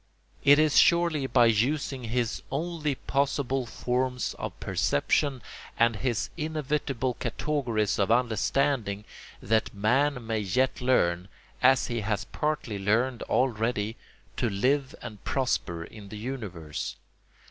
It is surely by using his only possible forms of perception and his inevitable categories of understanding that man may yet learn, as he has partly learned already, to live and prosper in the universe.